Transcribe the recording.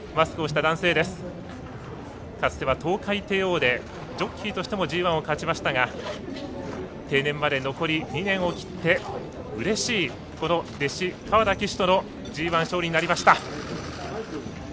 かつてはトウカイテイオーでジョッキーとしてもＧＩを勝ちましたが定年まで残り２年を切ってうれしい、この弟子川田騎手とのＧＩ勝利となりました。